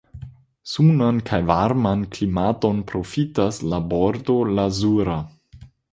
Sunan kaj varman klimaton profitas la Bordo Lazura.